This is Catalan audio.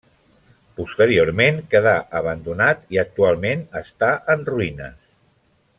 Posteriorment quedà abandonat i actualment està en ruïnes.